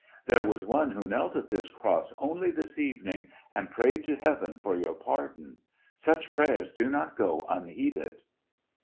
There was one who knelt at this cross only this evening and prayed to heaven for your pardon. Such prayers do not go unheeded!"